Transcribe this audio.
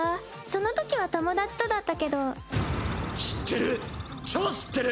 そのときは友達とだったけど。